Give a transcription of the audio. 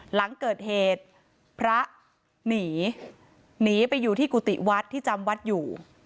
หลังเกิดเหตุพระหนีหนีไปอยู่ที่กุฏิวัดที่จำวัดอยู่